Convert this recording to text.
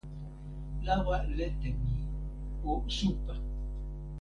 lawa lete mi, o supa!